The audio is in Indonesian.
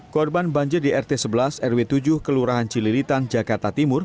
korban banjir di rt sebelas rw tujuh kelurahan cililitan jakarta timur